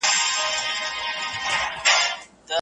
هغې ته نږدې کیدل خطرناک کیدای سي.